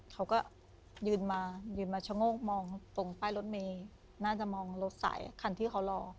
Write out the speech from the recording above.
เขาก็ยืนมายืนมาชะโงกมองตรงป้ายรถเมย์น่าจะมองรถสายคันที่เขารอ